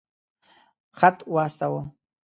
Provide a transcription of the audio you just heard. خط واستاوه.